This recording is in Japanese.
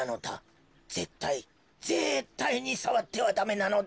ぜったいぜったいにさわってはダメなのだ。